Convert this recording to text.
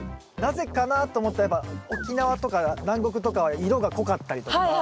なぜかなと思ったらやっぱ沖縄とか南国とかは色が濃かったりとか。